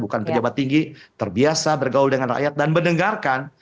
bukan pejabat tinggi terbiasa bergaul dengan rakyat dan mendengarkan